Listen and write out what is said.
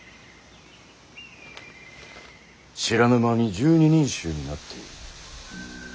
知らぬ間に１２人衆になっている。